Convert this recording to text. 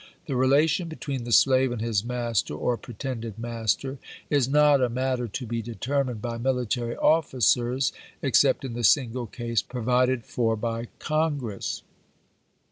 The relation between the slave and his master, or pre tended master, is not a matter to be determined by military officers, except in the single case provided for by Congress.